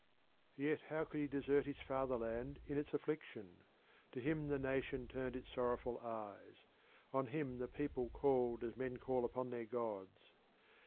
Yet how could he desert his fatherland in its affliction? To him the nation turned its sorrowful eyes; on him the people called as men call upon their gods.